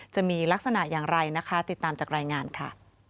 จะมีลักษณะอย่างไรนะคะติดตามจากรายงานค่ะ